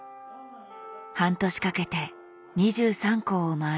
半年かけて２３校を回ります。